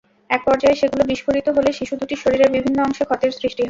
একপর্যায়ে সেগুলো বিস্ফোরিত হলে শিশু দুটির শরীরের বিভিন্ন অংশে ক্ষতের সৃষ্টি হয়।